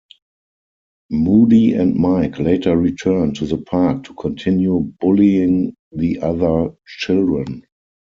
Moody and Mike later return to the park to continue bullying the other children.